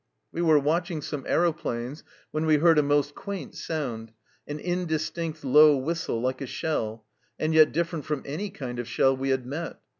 " We were watching some aeroplanes when we heard a most quaint sound an indistinct low whistle, like a shell, and yet different from any kind of shell we had met.